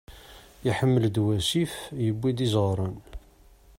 Iḥmel-d wasif, yuwi-d izeɣran.